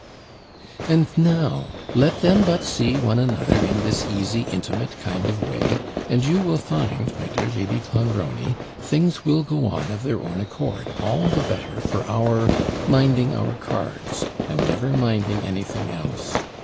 'And now, let them but see one another in this easy, intimate kind of way, and you will find, my dear Lady Clonbrony, things will go on of their own accord, all the better for our minding our cards and never minding anything else.